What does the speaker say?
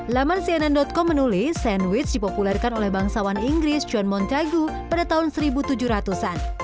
laman cnn com menulis sandwich dipopulerkan oleh bangsawan inggris john montaigu pada tahun seribu tujuh ratus an